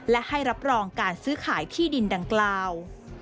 และให้รับรองการซื้อขายที่ดินดังกล่าว